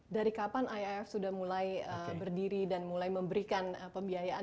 dari kapan iif sudah mulai berdiri dan mulai memberikan pembiayaan